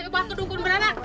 bang kedungkun beranak